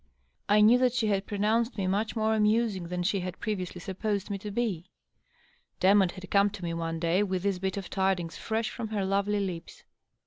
I knew that she had pronounced me much more amusing than she had previously supposed me to be ; De motte had come to me one day with this bit of tidings fresh from her lovely lips.